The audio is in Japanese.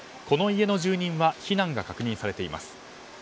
この家の住人は避難が確認されています。